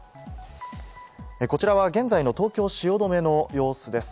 こちらは現在の東京・汐留の様子です。